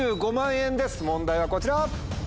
問題はこちら！